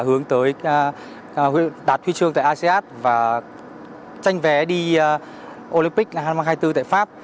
hướng tới đạt huy chương tại asean và tranh vé đi olympic hai nghìn hai mươi bốn tại pháp